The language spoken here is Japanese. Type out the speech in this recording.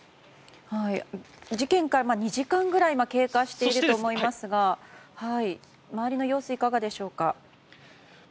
事件から２時間ぐらい経過したと思われますが周りの様子、いかがでしょうか。